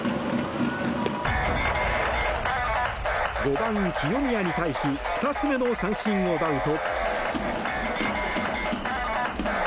５番、清宮に対し２つ目の三振を奪うと。